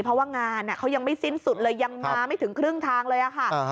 เพราะว่างานเขายังไม่สิ้นสุดเลยยังมาไม่ถึงครึ่งทางเลยค่ะ